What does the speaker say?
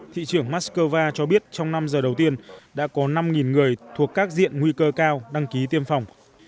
thị trưởng moscow cho biết trong năm giờ đầu tiên đã có năm người thuộc các diện nguy cơ cao đăng ký tiêm phòng